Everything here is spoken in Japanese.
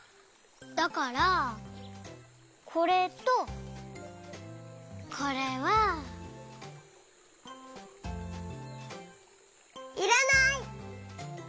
だからこれとこれは。いらない！